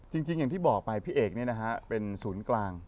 อย่างที่บอกไปพี่เอกนี่นะฮะเป็นศูนย์กลาง